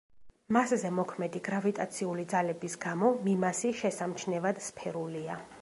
მასზე მოქმედი გრავიტაციული ძალების გამო, მიმასი შესამჩნევად სფერულია.